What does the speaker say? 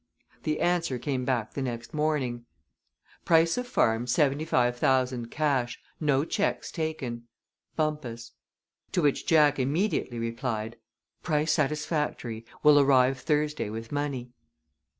The answer came back the next morning: Price of farm seventy five thousand, cash. No checks taken. HIRAM BUMPUS. To which Jack immediately replied: "Price satisfactory. Will arrive Thursday with money."